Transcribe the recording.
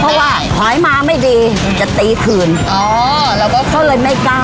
เพราะว่าหอยมาไม่ดีจะตีคืนอ๋อเราก็เขาเลยไม่กล้า